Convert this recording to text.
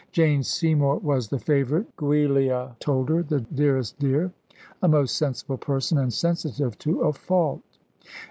Jane Seymour was the favourite, Giulia told her, the dearest dear, a most sensible person, and sensitive to a fault.